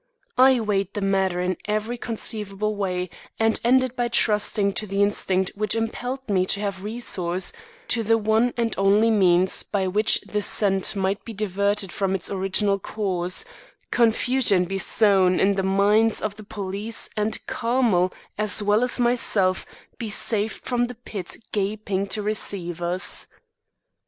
I weighed the matter in every conceivable way, and ended by trusting to the instinct which impelled me to have resource to the one and only means by which the scent might be diverted from its original course, confusion be sown in the minds of the police, and Carmel, as well as myself, be saved from the pit gaping to receive us.